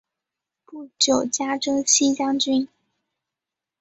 不久加征西将军。